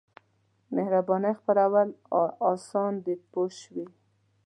مهربانۍ خپرول اسان دي پوه شوې!.